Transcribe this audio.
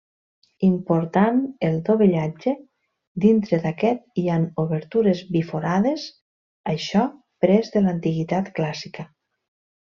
Important el dovellatge, dintre d'aquest hi han obertures biforades, això pres de l'antiguitat clàssica.